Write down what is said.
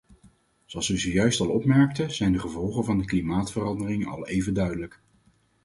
Zoals u zojuist al opmerkte, zijn de gevolgen van de klimaatverandering al even duidelijk.